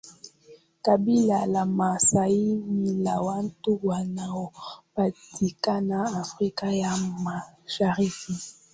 Kabila la maasai ni la watu wanaopatikana Afrika ya mashariki